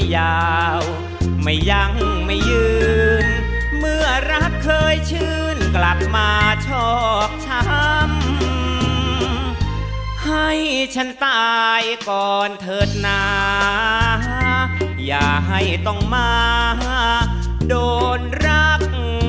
อยากได้ข้ามไปเลยไหมครับ